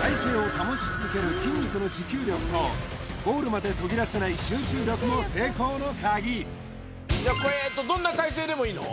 体勢を保ち続ける筋肉の持久力とゴールまで途切らせない集中力も成功のカギじゃあこれえっとどんな体勢でもいいの？